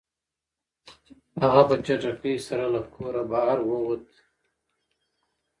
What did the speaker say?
هغه په چټکۍ سره له کوره بهر ووت.